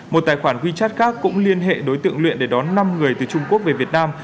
một tài khoản wechat khác cũng liên hệ đối tượng luyện để đón năm người từ trung quốc về việt nam